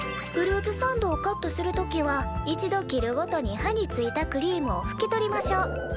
フルーツサンドをカットする時は一度切るごとに刃についたクリームをふき取りましょう。